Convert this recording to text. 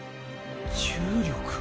重力？